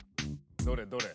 どれどれ？